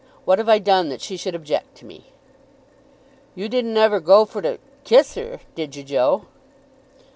What have I done that she should object to me?" "You didn't ever go for to kiss her, did you, Joe?"